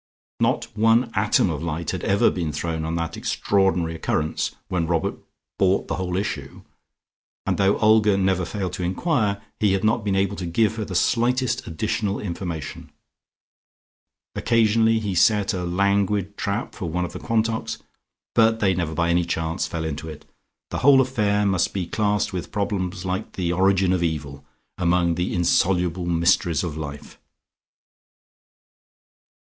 Not one atom of light had ever been thrown on that extraordinary occurrence when Robert bought the whole issue, and though Olga never failed to enquire, he had not been able to give her the slightest additional information. Occasionally he set a languid trap for one of the Quantocks, but they never by any chance fell into it. The whole affair must be classed with problems like the origin of evil, among the insoluble mysteries of life.